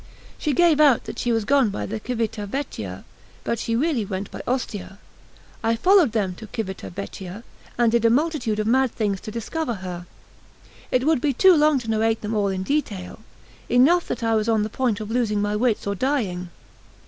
She gave out that she was gone by Cività Vecchia, but she really went by Ostia. I followed them to Cività Vecchia, and did a multitude of mad things to discover her. It would be too long to narrate them all in detail; enough that I was on the point of losing my wits or dying.